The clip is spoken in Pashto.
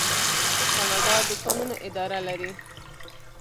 کاناډا د کانونو اداره لري.